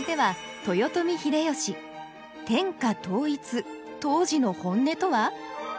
天下統一当時の本音とは？